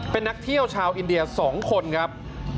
เป็นนักเที่ยวชาวอินเดีย๒คนครับ